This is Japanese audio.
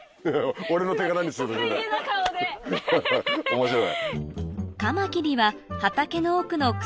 面白い。